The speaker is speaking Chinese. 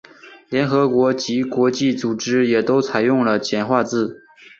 联合国及各国际组织也都采用了简化字。